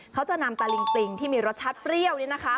เขาจะนำตะลิงปริงที่มีรสชาติเปรี้ยวนี่นะคะ